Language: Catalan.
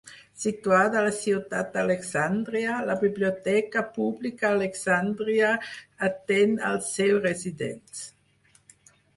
Situada a la ciutat d'Alexandria, la Biblioteca Pública Alexandria atén als seus residents.